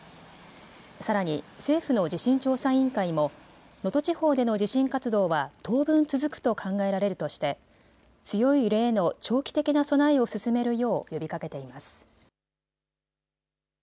さらに政府の地震調査委員会も能登地方での地震活動は当分続くと考えられるとして強い揺れへの長期的な備えを進めるよう呼びかけています。